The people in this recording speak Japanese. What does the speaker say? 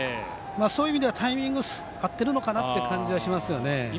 そういう意味ではタイミング合ってるのかなって感じはしますよね。